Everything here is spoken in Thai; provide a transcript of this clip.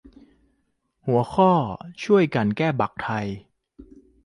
หัวข้อ ช่วยกันแก้บั๊กไทย